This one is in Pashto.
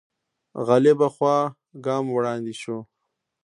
غالبه خوا ګام وړاندې شو